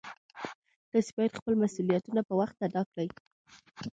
تاسې باید خپل مسؤلیتونه په وخت ادا کړئ